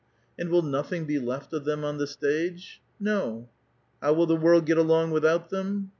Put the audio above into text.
And will nothing be loft of them on the stage ? No. How will the world get along without them?